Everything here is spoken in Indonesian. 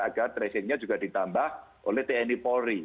agar tracing nya juga ditambah oleh tni polri